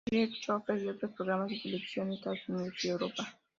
The Chosen", y otros programas de televisión en Estados Unidos y Europa.